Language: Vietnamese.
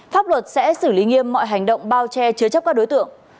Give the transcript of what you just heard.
pháp luật sẽ xử lý nghiêm mọi hành động bao che chứa chấp các đối tượng